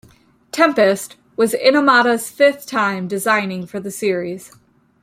"Tempest" was Inomata's fifth time designing for the series.